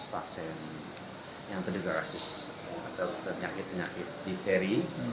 sebelas pasien yang terduga rasis atau terjangkit terjangkit diphteri